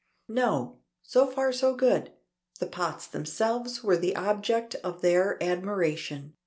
No. So far so good. The pots themselves were the objects of their admiration.